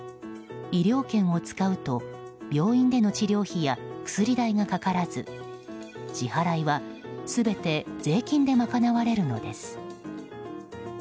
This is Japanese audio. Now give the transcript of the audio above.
医療券を使うと病院での治療費や薬代がかからず支払いは全て税金で賄われるのです。